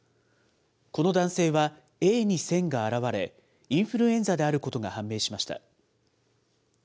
この男性は、Ａに線が現れ、インフルエンザであることが判明しました。